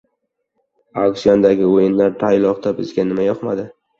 Auksiondagi «o‘yinlar». Toyloqda bizga nima yoqmadi?